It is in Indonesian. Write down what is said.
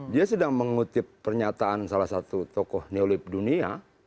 dia sedang mengutip pernyataan salah satu tokoh neolib dunia